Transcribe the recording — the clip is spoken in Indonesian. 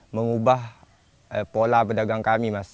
mengubah pola pedagang kami mas